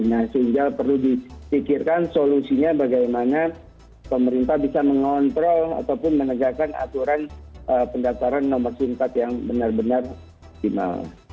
nah sehingga perlu dipikirkan solusinya bagaimana pemerintah bisa mengontrol ataupun menegakkan aturan pendaftaran nomor sim card yang benar benar optimal